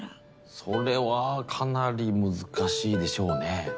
それはかなり難しいでしょうね。